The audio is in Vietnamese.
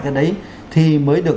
cái đấy thì mới được